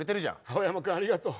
青山君ありがとう。